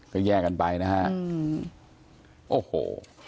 ก็แยกกันไปนะฮะโอ้โห